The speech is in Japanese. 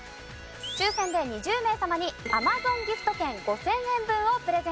抽選で２０名様にＡｍａｚｏｎギフト券５０００円分をプレゼント。